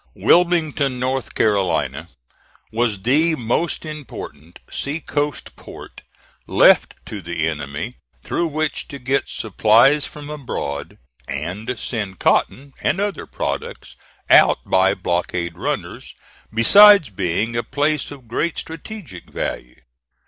Wilmington, North Carolina, was the most important sea coast port left to the enemy through which to get supplies from abroad, and send cotton and other products out by blockade runners, besides being a place of great strategic value.